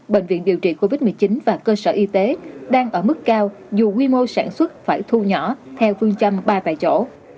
bệnh viện điều trị covid một mươi chín và cơ sở y tế đang ở mức cao dù quy mô sản xuất phải thu nhỏ theo phương châm ba tại chỗ